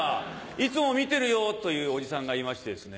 いつも見てるよ」というおじさんがいましてですね。